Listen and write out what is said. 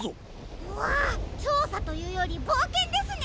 うわちょうさというよりぼうけんですね！